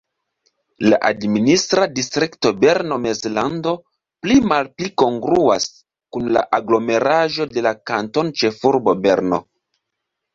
La administra distrikto Berno-Mezlando pli-malpli kongruas kun la aglomeraĵo de la kantonĉefurbo Berno.